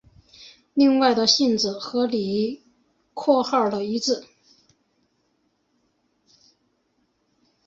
另外的性质和李括号的一致。